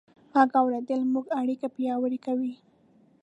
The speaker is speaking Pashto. غږ اورېدل زموږ اړیکې پیاوړې کوي.